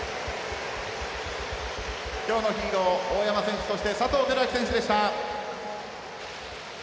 今日のヒーロー、大山選手そして、佐藤輝明選手でした。